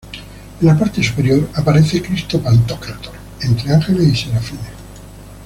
En la parte superior, aparece Cristo Pantocrátor entre ángeles y serafines.